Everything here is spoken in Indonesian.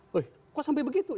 wih kok sampai begitu